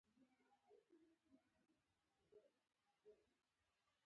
د نوښتونو بهیر له ځنډ پرته روان و.